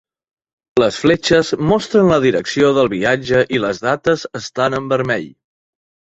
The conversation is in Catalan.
Les fletxes mostren la direcció del viatge i les dates estan en vermell.